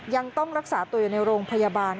ยังต้องรักษาตัวอยู่ในโรงพยาบาล